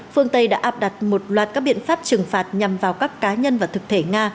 phương tây đã áp đặt một loạt các biện pháp trừng phạt nhằm vào các cá nhân và thực thể nga